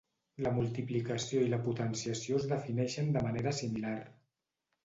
La multiplicació i la potenciació es defineixen de manera similar.